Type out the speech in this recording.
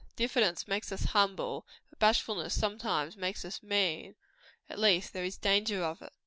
Diffidence makes us humble, but bashfulness sometimes makes us mean; at least, there is danger of it.